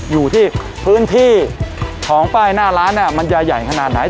อยู่ที่พื้นที่ของป้ายหน้าร้านมันจะใหญ่ขนาดไหน